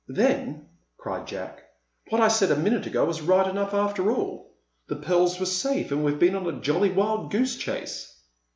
"Then," cried Jack, "what I said a minute ago was right enough, after all. The pearls were safe, and we've been on a jolly wild goose chase."